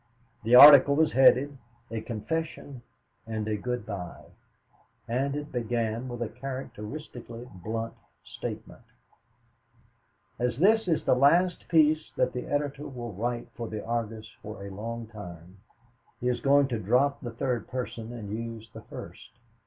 The article was headed "A Confession and a Good by," and it began with a characteristically blunt statement: "As this is the last piece that the editor will write for the Argus for a long time, he is going to drop the third person and use the first.